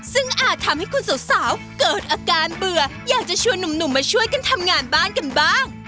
ซึ่งอาจทำให้คุณสาวเกิดอาการเบื่ออยากจะชวนหนุ่มมาช่วยกันทำงานบ้านกันบ้าง